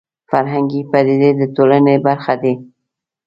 فرهنګي پدیدې د ټولنې برخه دي